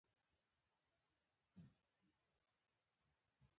د پان امریکن په نامه لویه لار د جنوبي امریکا پلازمیني نښلولي.